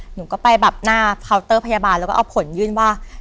หนูก็ไปแบบหน้าเคาน์เตอร์พยาบาลแล้วก็เอาผลยื่นว่า